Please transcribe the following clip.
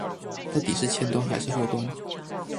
到底是前端還是後端